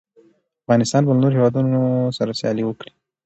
افغانستان به له نورو هېوادونو سره سیالي وکړي.